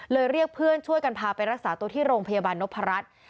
เรียกเพื่อนช่วยกันพาไปรักษาตัวที่โรงพยาบาลนพรัช